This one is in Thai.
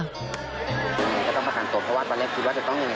ยังไงก็ต้องประกันตัวเพราะว่าตอนแรกคิดว่าจะต้อง